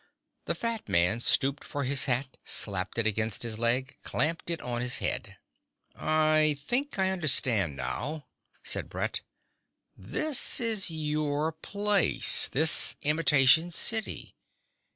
The fat man stooped for his hat, slapped it against his leg, clamped it on his head. "I think I understand now," said Brett. "This is your place, this imitation city.